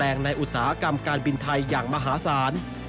การเปลี่ยนแปลงในอุตสาหกรรมการบินไทยอย่างมหาศาล